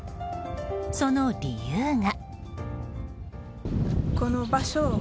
その理由が。